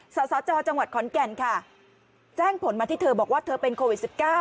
สสจจังหวัดขอนแก่นค่ะแจ้งผลมาที่เธอบอกว่าเธอเป็นโควิด๑๙